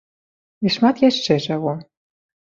І шмат яшчэ чаго.